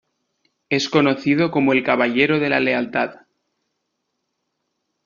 Es conocido como el "Caballero de la Lealtad".